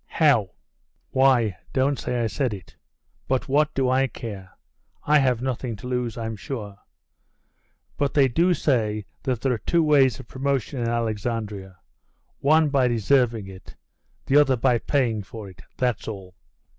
'How?' 'Why, don't say I said it. But what do I care? I have nothing to lose, I'm sure. But they do say that there are two ways of promotion in Alexandria: one by deserving it, the other by paying for it. That's all.